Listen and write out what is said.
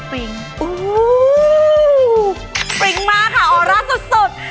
ฟริ้งมากค่ะออร่าสุด